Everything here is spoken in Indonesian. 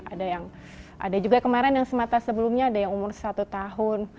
ada yang ada juga kemarin yang semata sebelumnya ada yang umur satu tahun